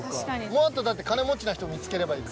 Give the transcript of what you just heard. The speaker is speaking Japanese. もうあとだって金持ちな人見つければいいから。